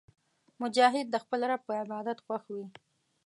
مجاهد د خپل رب په عبادت خوښ وي.